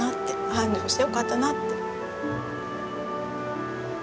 繁盛してよかったなって。